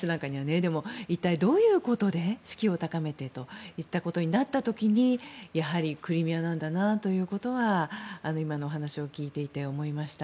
でも、一体どういうことで士気を高めていくのかとなった時にやはりクリミアなんだなということは今の話を聞いていて思いました。